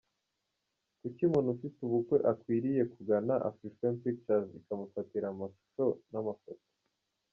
Kuki umuntu ufite ubukwe akwiriye kugana Afrifame Pictures ikamufatira amashusho n’amafoto?.